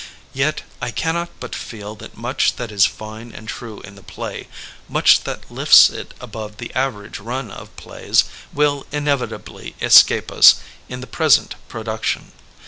Yet, I can not but feel that much that is fine and true in the play, much that lifts it above the average run of plays, will inevitably escape us in the present production.